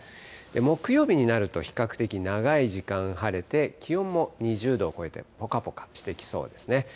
木曜日になると比較的長い時間晴れて、気温も２０度を超えて、ぽかぽかしてきそうですね。